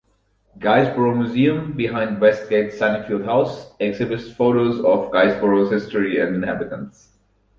Guisborough Museum, behind Westgate's Sunnyfield House, exhibits photos of Guisborough's history and inhabitants.